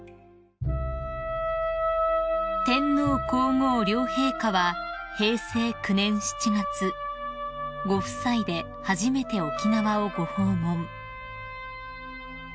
［天皇皇后両陛下は平成９年７月ご夫妻で初めて沖縄をご訪問］